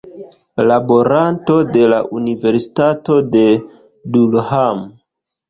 Laboranto de la Universitato de Durham.